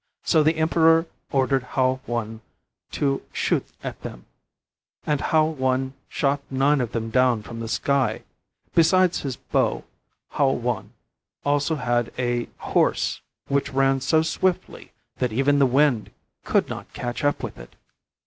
So the Emperor ordered Hou I to shoot at them. And Hou I shot nine of them down from the sky. Besides his bow, Hou I also had a horse which ran so swiftly that even the wind could not catch up with it.